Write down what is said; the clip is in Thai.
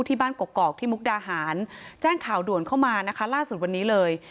กกอกที่มุกดาหารแจ้งข่าวด่วนเข้ามานะคะล่าสุดวันนี้เลย